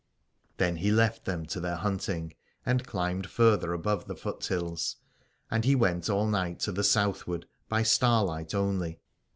Then he left them to their hunting, and climbed further above the foothills : and he went all night to the Southward by starlight only.